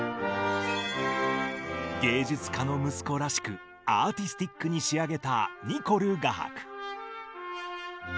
ゅつかの息子らしくアーティスティックにしあげたニコルがはく。